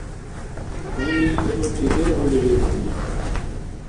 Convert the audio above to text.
Нуни дурути иргъулирив хӀуни?